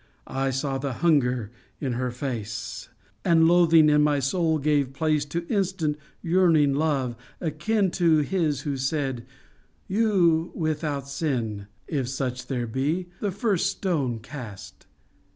I saw the hunger in her face, And loathing in my soul gave place To instant, yearning love, akin To his who said, " You without sin, â » If such there be, â the first stone cast